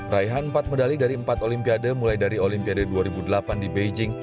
raihan empat medali dari empat olimpiade mulai dari olimpiade dua ribu delapan di beijing